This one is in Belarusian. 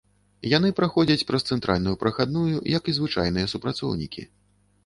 Яны праходзяць праз цэнтральную прахадную, як і звычайныя супрацоўнікі.